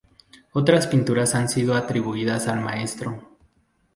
Otras pinturas han sido atribuidas al maestro.